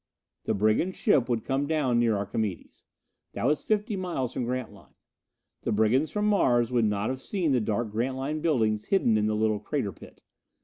The brigand ship would come down near Archimedes. That was fifty miles from Grantline. The brigands from Mars would not have seen the dark Grantline buildings hidden in the little crater pit.